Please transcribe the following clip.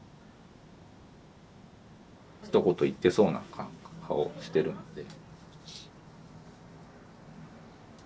ひと言言ってそうな顔してるんで。